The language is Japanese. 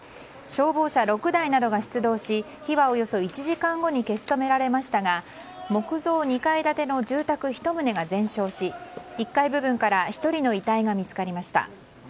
消防車６台などが出動し火は、およそ１時間後に消し止められましたが木造２階建ての住宅１棟が全焼し１階部分から１人の遺体が見つかりました。